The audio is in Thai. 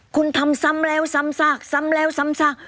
คุณทำซ้ำแล้วซ้ำซากซ้ำแล้วซ้ำซาก